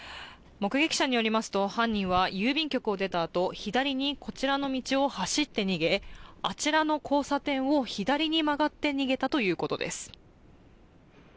目撃者によりますと犯人は郵便局を出たあと、左にこちらの道を走って逃げあちらの交差点を左に曲がって逃げたということです。